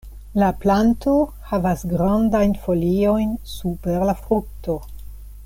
La planto havas grandajn foliojn super la frukto.